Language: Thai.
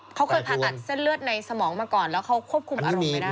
เขาเคยผ่าตัดเส้นเลือดในสมองมาก่อนแล้วเขาควบคุมอารมณ์ไม่ได้